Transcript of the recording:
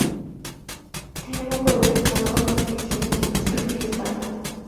Thiago podría jugar con las selecciones de Brasil y España.